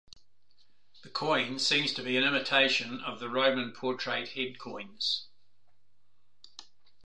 The coin seems to be an imitation of the Roman portrait head coins.